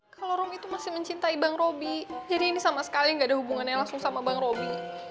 kalau romi tuh masih mencintai bang robi jadi ini sama sekali gak ada hubungannya langsung sama bang robi